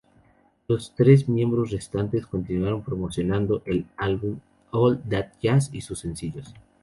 Los tres miembros restantes continuaron promocionando el álbum "All That Jazz" y sus sencillos.